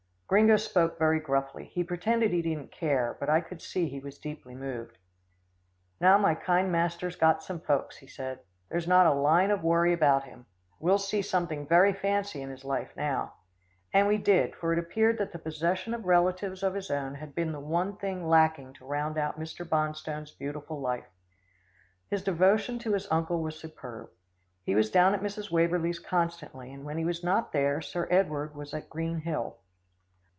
Gringo spoke very gruffly. He pretended he didn't care, but I could see he was deeply moved. "Now my kind master's got some folks," he said. "There's not a line of worry about him. We'll see something very fancy in his life now." And we did, for it appeared that the possession of relatives of his own had been the one thing lacking to round out Mr. Bonstone's beautiful life. His devotion to his uncle was superb. He was down at Mrs. Waverlee's constantly, and when he was not there Sir Edward was at Green Hill.